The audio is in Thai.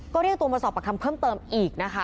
ก็เรียกตัวมาสอบประคำเพิ่มเติมอีกนะคะ